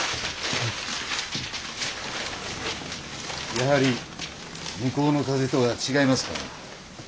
やはり向こうの風とは違いますか？